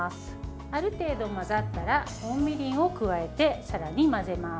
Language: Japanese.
ある程度混ざったら本みりんを加えてさらに混ぜます。